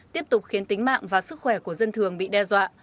tiếp tục khiến tính mạng và sức khỏe của dân thường bị đe dọa